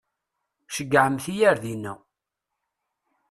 Ceyyɛemt-iyi ar dina.